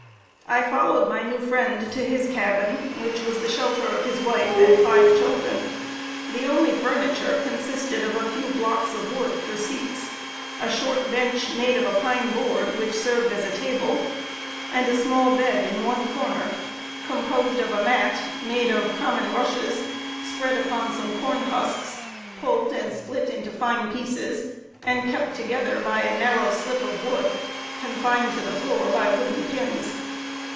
I followed my new friend to his cabin, which was the shelter of his wife and five children. Their only furniture consisted of a few blocks of wood for seats; a short bench, made of a pine board, which served as a table; and a small bed in one corner, composed of a mat, made of common rushes, spread upon some corn husks, pulled and split into fine pieces, and kept together by a narrow slip of wood, confined to the floor by wooden pins.